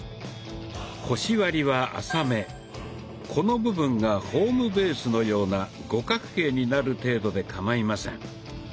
腰割りは浅めこの部分がホームベースのような五角形になる程度でかまいません。